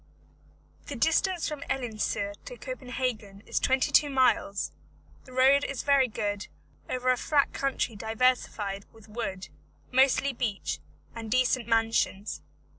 The distance from Elsineur to Copenhagen is twenty two miles; the road is very good, over a flat country diversified with wood, mostly beech, and decent mansions.